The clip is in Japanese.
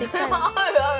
合う合う。